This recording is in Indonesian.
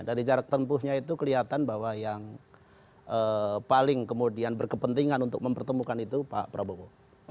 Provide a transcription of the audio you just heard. dari jarak tempuhnya itu kelihatan bahwa yang paling kemudian berkepentingan untuk mempertemukan itu pak prabowo